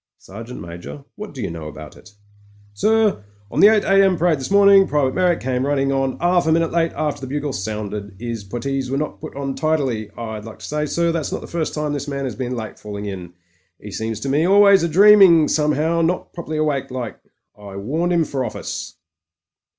Ser geant Major, what do you know about it?" "Sir, on the 8 a.m. parade this morning. Private Meyrick came running on 'alf a minute after the bugle sounded. 'Is puttees were not put on tidily. I'd like to say, sir, that it's not the first time this man has been late falling ia 'E seems to me to be always a dreaming, somehow — ^not properly awake like. I warned 'im for office."